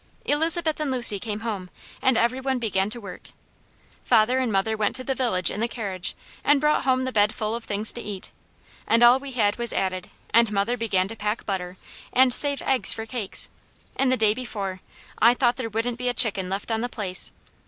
Elizabeth and Lucy came home, and every one began to work. Father and mother went to the village in the carriage and brought home the bed full of things to eat, and all we had was added, and mother began to pack butter, and save eggs for cakes, and the day before, I thought there wouldn't be a chicken left on the place.